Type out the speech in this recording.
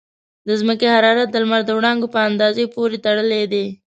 د ځمکې حرارت د لمر د وړانګو په اندازه پورې تړلی دی.